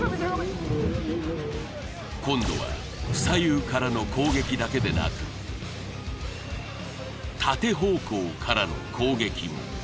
今度は左右からの攻撃だけでなく縦方向からの攻撃も！